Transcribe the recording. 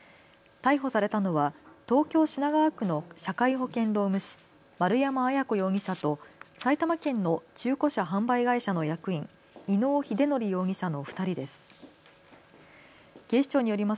逮捕されたのは東京品川区の社会保険労務士、丸山文子容疑者と埼玉県の中古車販売会社の役員、伊能英徳容疑者の２人です。